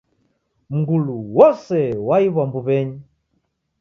Mngulu wose waiw'a mbuw'enyi